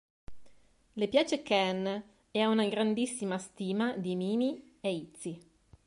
Le piace Ken e ha una grandissima stima di Mimi e Izzy.